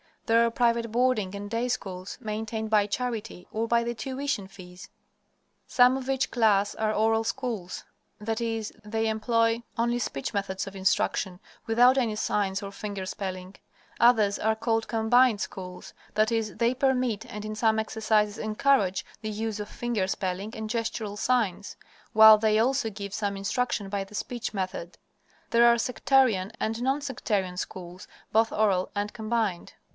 There are private boarding and day schools, maintained by charity, or by the tuition fees. Some of each class are oral schools; that is, they employ only speech methods of instruction, without any signs or finger spelling. Others are called "Combined" schools; that is, they permit, and in some exercises encourage, the use of finger spelling and gestural signs, while they also give some instruction by the speech method. There are sectarian and non sectarian schools, both oral and combined.